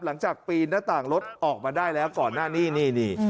หลังจากปีนหน้าต่างรถออกมาได้แล้วก่อนหน้านี้นี่